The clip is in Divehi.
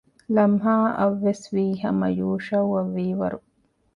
ލަމްހާއަށްވެސްވީ ހަމަ ޔޫޝައުއަށް ވީވަރު